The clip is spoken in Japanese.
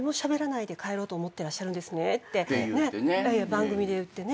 番組で言ってね。